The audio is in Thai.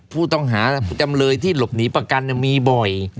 ผู้ต้องหาจำเลยที่หลบหนีประกันมีบ่อย